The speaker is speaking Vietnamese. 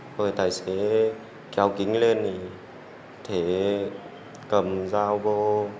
rồi tài xế kéo kính lên thì cầm dao vô